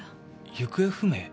行方不明？